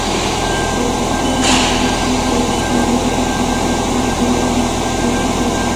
په ځینو هېوادونو کې د سکرو استخراج ته سخت قوانین وضع شوي.